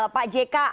pak jk anda menang